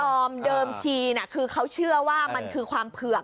อมเดิมทีคือเขาเชื่อว่ามันคือความเผือก